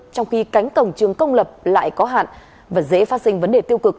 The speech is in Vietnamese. trong khi cánh cổng trường công lập lại có hạn và dễ phát sinh vấn đề tiêu cực